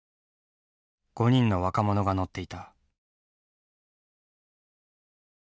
５人の若者が乗っていた。